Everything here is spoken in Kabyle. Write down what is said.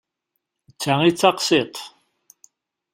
D ta i d taqṣit.